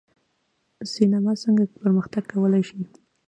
سینما څنګه پرمختګ کولی شي؟